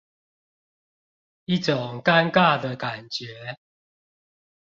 一種尷尬的感覺